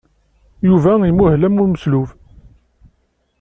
Yuba imuhel am umeslub.